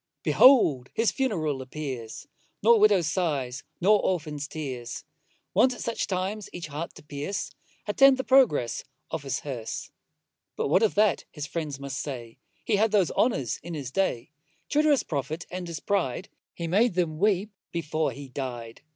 Behold his funeral appears, Nor widow's sighs, nor orphan's tears, Wont at such times each heart to pierce, Attend the progress of his hearse. But what of that, his friends may say, He had those honours in his day. True to his profit and his pride, He made them weep before he dy'd.